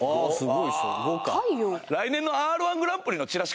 来年のＲ−１グランプリのチラシ